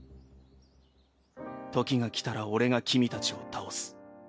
時が来たら俺が君たちを倒す。